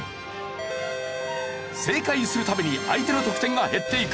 正解する度に相手の得点が減っていく。